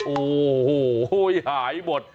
โอ้โหหายหมด